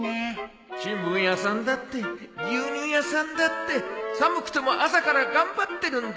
新聞屋さんだって牛乳屋さんだって寒くても朝から頑張ってるんだ